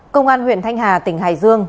công an huyện thanh hà tỉnh hải dương